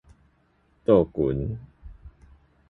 島群